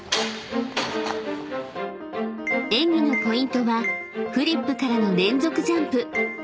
［演技のポイントはフリップからの連続ジャンプ］